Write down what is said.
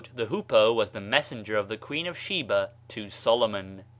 ' The hoopoe was the messenger of the Queen of Sheba to Sdbmoo.